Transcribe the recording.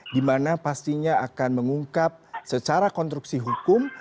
di mana pastinya akan mengungkap secara konstruksi hukum